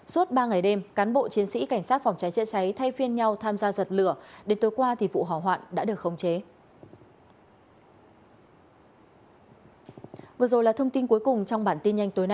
suốt ba ngày đêm cán bộ chiến sĩ cảnh sát phòng cháy chữa cháy thay phiên nhau tham gia giật lửa đến tối qua vụ hỏa hoạn đã được khống chế